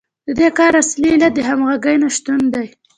د دې کار اصلي علت د همغږۍ نشتون دی